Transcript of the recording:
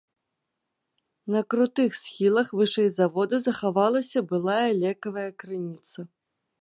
На крутых схілах вышэй завода захавалася былая лекавая крыніца.